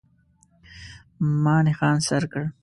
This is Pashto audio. ما نښان سر کړ.